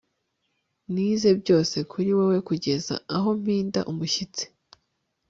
nize byose kuri wewe kugeza aho mpinda umushyitsi